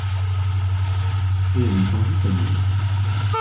Et elle lui tendit sa gourde.